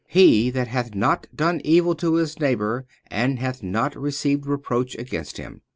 He that hath not done evil to his neighbour and hath not received reproach against him."